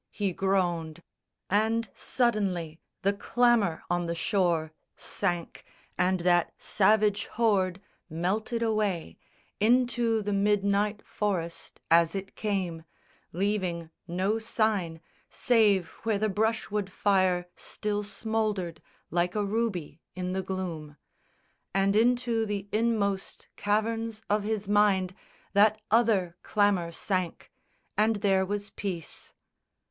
he groaned: And suddenly, the clamour on the shore Sank and that savage horde melted away Into the midnight forest as it came, Leaving no sign, save where the brushwood fire Still smouldered like a ruby in the gloom; And into the inmost caverns of his mind That other clamour sank, and there was peace.